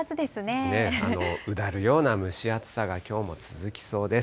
うだるような蒸し暑さが、きょうも続きそうです。